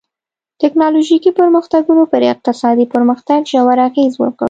ټکنالوژیکي پرمختګونو پر اقتصادي پرمختګ ژور اغېز وکړ.